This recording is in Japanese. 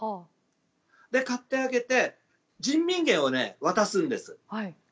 買ってあげて人民元を渡すんです。